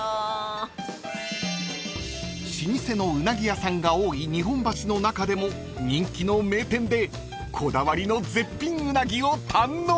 ［老舗のうなぎ屋さんが多い日本橋の中でも人気の名店でこだわりの絶品うなぎを堪能！］